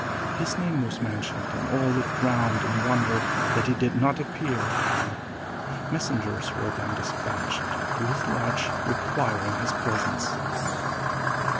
His name was mentioned, and all looked round in wonder that he did not appear. Messengers were then despatched to his lodge requiring his presence.